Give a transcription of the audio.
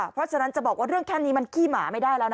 เพราะฉะนั้นจะบอกว่าเรื่องแค่นี้มันขี้หมาไม่ได้แล้วนะ